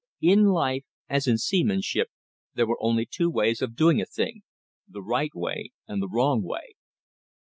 In life as in seamanship there were only two ways of doing a thing: the right way and the wrong way.